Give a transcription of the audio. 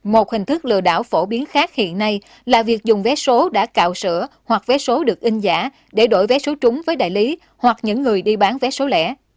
một hình thức lừa đảo phổ biến khác hiện nay là việc dùng vé số đã cạo sữa hoặc vé số được in giả để đổi vé số chúng với đại lý hoặc những người đi bán vé số lẻ